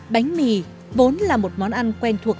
bánh mì vốn là một món ăn quen thuộc